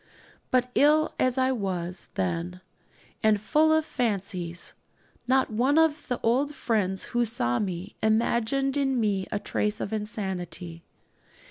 But ill as I was then, and full of fancies, not one of the old friends who saw me imagined in me a trace of insanity.